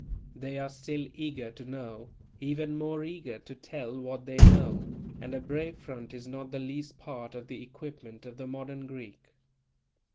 They are still eager to know, even more eager to tell what they know, and a brave front is not the least part of the equipment of the modern Greek.